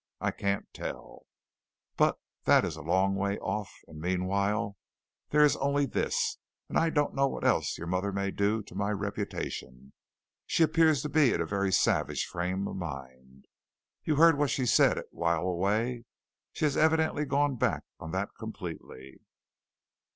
I can't tell, but that is a long way off, and meanwhile, there is only this, and I don't know what else your mother may do to my reputation. She appears to be in a very savage frame of mind. You heard what she said at While a Way. She has evidently gone back on that completely.